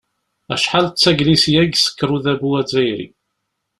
Acḥal d taglisya i isekkeṛ Udabu azzayri!